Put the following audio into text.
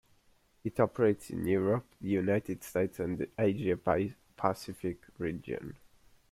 It operates in Europe, the United States, and the Asia-Pacific region.